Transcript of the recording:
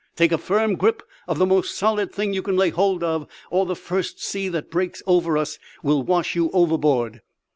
Take a firm grip of the most solid thing you can lay hold of, or the first sea that breaks over us will wash you overboard."